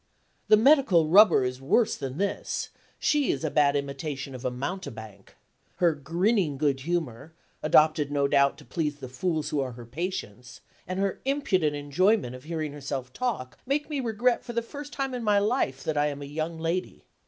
The Medical Rubber is worse than this; she is a bad imitation of a mountebank. Her grinning good humor, adopted no doubt to please the fools who are her patients, and her impudent enjoyment of hearing herself talk, make me regret for the first time in my life that I am a young lady.